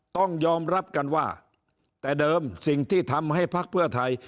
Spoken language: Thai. ต้องยอมรับกันว่าแต่เดิมสิ่งที่ทำให้ภักดิ์เพื่อไทย